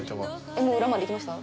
もう裏までいきました？